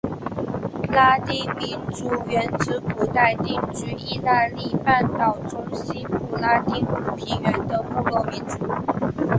拉丁民族原指古代定居义大利半岛中西部拉丁姆平原的部落民族。